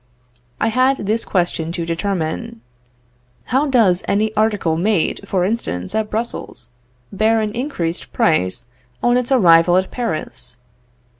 I had this question to determine: "Why does any article made, for instance, at Brussels, bear an increased price on its arrival at Paris?"